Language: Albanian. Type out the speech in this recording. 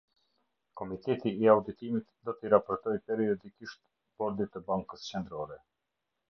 Komiteti i Auditimit do t'i raportojë periodikisht Bordit të Bankës Qendrore.